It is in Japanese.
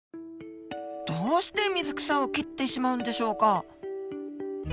どうして水草を切ってしまうんでしょうか？